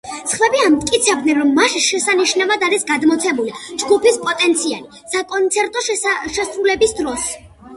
სხვები ამტკიცებდნენ, რომ მასში შესანიშნავად არის გადმოცემული ჯგუფის პოტენციალი საკონცერტო შესრულებების დროს.